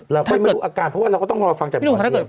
เราก็ยังไม่รู้อาการเพราะว่าเราก็ต้องรอฟังจากพี่ว่าถ้าเกิด